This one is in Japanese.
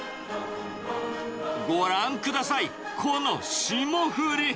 ご覧ください、この霜降り。